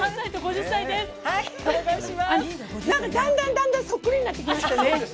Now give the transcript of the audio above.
だんだんそっくりになってきましたね。